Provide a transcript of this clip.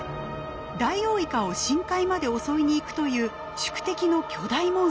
ダイオウイカを深海まで襲いにいくという宿敵の巨大モンスターです。